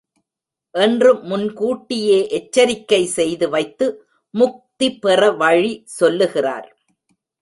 என்று முன்கூட்டியே எச்சரிக்கை செய்து வைத்து முக்தி பெற வழி சொல்லுகிறார்.